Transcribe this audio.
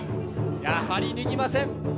やはり脱ぎません。